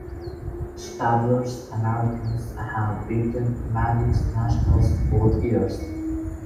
Stabler's Americans have beaten Manning's Nationals both years.